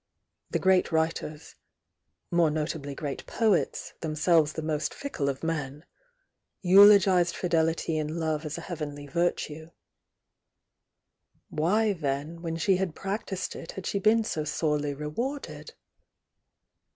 The great writers,— more notably great poets, themselves the most fickle of men,— eulogised fidelity in love as a heavenly virtue. Why then, when she had practised it, had she been so sorely rewarded?